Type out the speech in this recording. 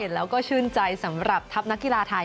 แล้วก็ชื่นใจสำหรับทัพนักกีฬาไทย